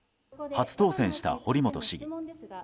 初当選した堀本市議。